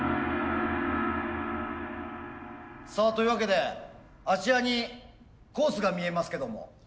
さあというわけであちらにコースが見えますけども。